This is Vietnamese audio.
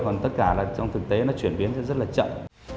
còn tất cả là trong thực tế nó chuyển biến rất là chậm